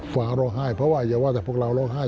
ฟ้าร้องไห้เพราะว่าอย่าว่าแต่พวกเราร้องไห้